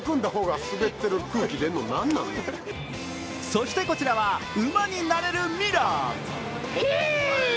そして、こちらは馬になれるミラー。